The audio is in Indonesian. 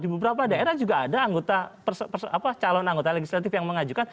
di beberapa daerah juga ada anggota calon anggota legislatif yang mengajukan